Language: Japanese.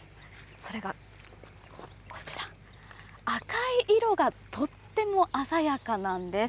それがこちら、赤い色がとっても鮮やかなんです。